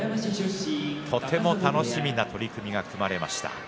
とても楽しみな取組が組まれました。